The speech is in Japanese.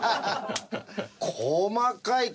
細かい！